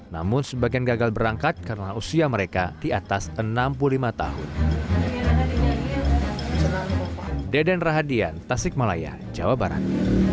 namun sebagian gagal berangkat karena usia mereka di atas enam puluh lima tahun